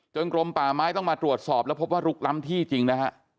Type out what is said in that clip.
กรมป่าไม้ต้องมาตรวจสอบแล้วพบว่าลุกล้ำที่จริงนะฮะ